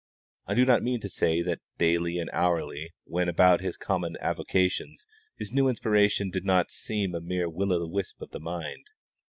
I do not mean to say that daily and hourly, when about his common avocations, his new inspiration did not seem a mere will o' the wisp of the mind.